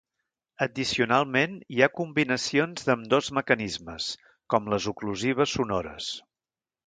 Addicionalment hi ha combinacions d'ambdós mecanismes, com les oclusives sonores.